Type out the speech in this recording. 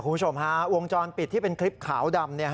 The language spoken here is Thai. คุณผู้ชมฮะวงจรปิดที่เป็นคลิปขาวดำ